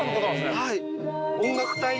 はい。